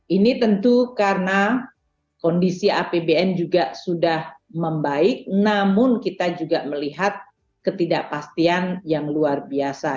ini tentu karena kondisi apbn juga sudah membaik namun kita juga melihat ketidakpastian yang luar biasa